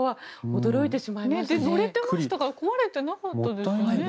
乗れてましたから壊れてなかったんですよね。